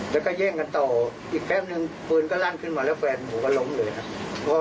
แล้วก็แย่งกันต่ออีกแป๊บนึงปืนก็ลั่นขึ้นมาแล้วแฟนผมก็ล้มเลยครับ